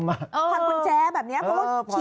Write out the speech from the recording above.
ผ่อนกุญแจแบบนี้เพราะว่าขี่ไม่ได้